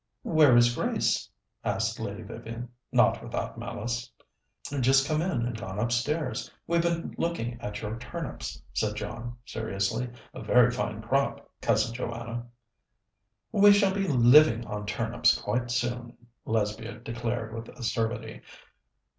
"Where is Grace?" asked Lady Vivian, not without malice. "Just come in and gone upstairs. We've been looking at your turnips," said John seriously. "A very fine crop, Cousin Joanna." "We shall all be living on turnips quite soon," Lesbia declared with acerbity.